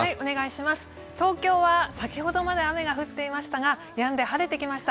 東京は先ほどまで雨が降っていましたがやんで、晴れてきました。